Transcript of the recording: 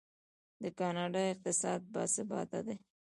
د کاناډا اقتصاد باثباته دی.